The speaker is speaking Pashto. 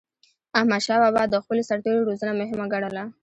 احمدشاه بابا د خپلو سرتېرو روزنه مهمه ګڼله.